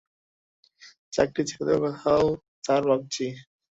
চাকরি ছেড়ে দেওয়ার কথাও স্যার ভাবছি।